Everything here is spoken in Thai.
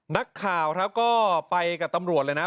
นักข่าวครับก็ไปกับตำรวจเลยนะ